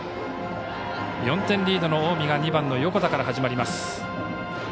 ４点リードの近江が２番の横田から始まります。